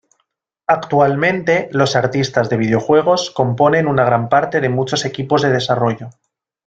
Actualmente, los artistas de videojuegos componen una gran parte de muchos equipos de desarrollo.